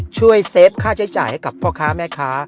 เซฟค่าใช้จ่ายให้กับพ่อค้าแม่ค้า